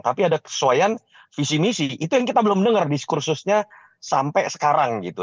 tapi ada kesesuaian visi misi itu yang kita belum dengar diskursusnya sampai sekarang gitu